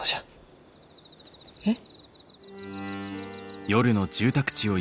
えっ？